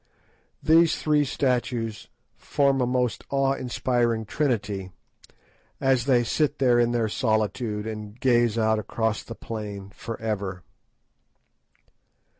These three statues form a most awe inspiring trinity, as they sit there in their solitude, and gaze out across the plain for ever.